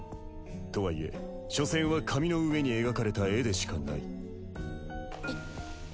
とはいえ所詮は紙の上に描かれた絵でしかない。